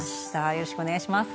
よろしくお願いします。